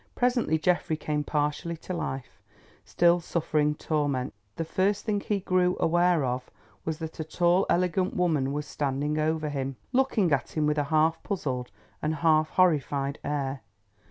Presently Geoffrey came partially to life, still suffering torments. The first thing he grew aware of was that a tall elegant woman was standing over him, looking at him with a half puzzled and half horrified air.